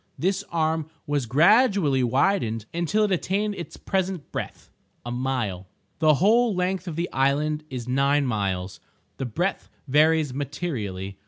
This arm was gradually widened until it attained its present breadth—a mile. The whole length of the island is nine miles; the breadth varies materially.